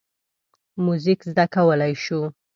موزیک زده کولی شو.